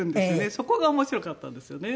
そこが面白かったんですよね。